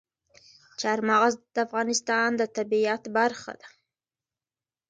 چار مغز د افغانستان د طبیعت برخه ده.